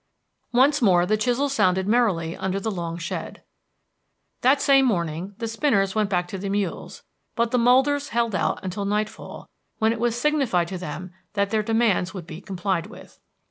Once more the chisels sounded merrily under the long shed. That same morning the spinners went back to the mules, but the molders held out until nightfall, when it was signified to them that they demands would be complied with.